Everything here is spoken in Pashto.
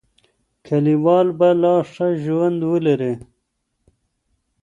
کلیوال به لا ښه ژوند ولري.